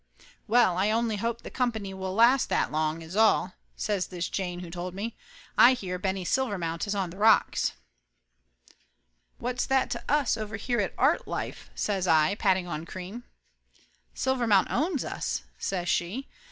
"Well, I only hope the company will last that long, that's all," says this jane who told me. "I hear Benny Silvermount is on the rocks." 134 Laughter Limited "What's that to us over here at Artlife?" says I, patting on cream. "Silvermount owns us," says she.